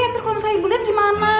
terus kalo misalnya ibu liat gimana